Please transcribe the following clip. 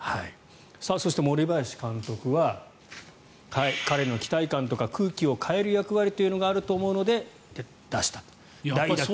そして森林監督は彼の期待感とか空気を変える役割というのがあると思うので出した。